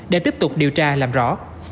để tiếp tục điều tra làm rõ